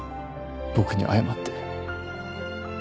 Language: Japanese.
僕に謝って。